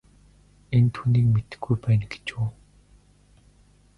Энэ түүнийг мэдэхгүй байна гэж үү.